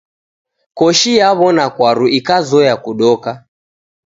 Koshi yaw'ona kwaru ikazoya kudoka.